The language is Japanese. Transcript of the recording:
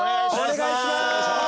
お願いします。